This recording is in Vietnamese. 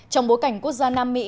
trong bối cảnh quốc gia nam mỹ